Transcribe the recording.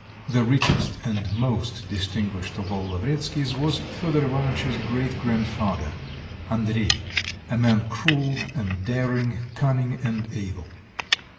The richest and most distinguished of all the Lavretskys was Fedor Ivanitch's great grandfather, Andrei, a man cruel and daring, cunning and able.